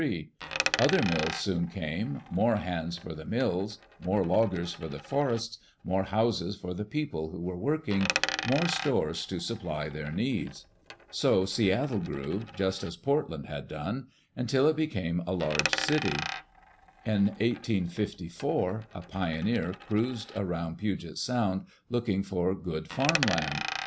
Other mills soon came, more hands for the mills, more loggers for the forests, more houses for the people who were working, more stores to supply their needs. So Seattle grew, just as Portland had done, until it became a large city. In 1854, a pioneer cruised around Puget Sound looking for good farm land.